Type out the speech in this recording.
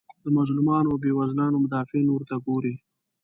د مظلومانو او بیوزلانو مدافعین ورته ګوري.